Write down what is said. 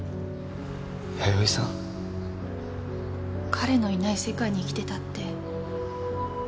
彼のいない世界に生きてたって。